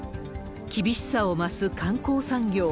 厳しさを増す観光産業。